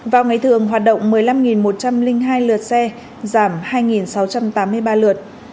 vào ngày thường hoạt động một mươi năm một trăm linh hai lượt xe giảm hai sáu trăm tám mươi ba lượt